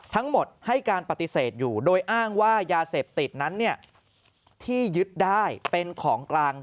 ทั้งหมดให้การปฏิเสธอยู่โดยอ้างว่ายาเสพติดนั้นที่ยึดได้เป็นของกลาง